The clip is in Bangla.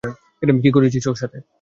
কী করেছিস ওর সাথে?